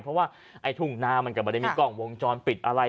เพราะว่าไอ้ทุ่งนามันก็ไม่ได้มีกล้องวงจรปิดอะไร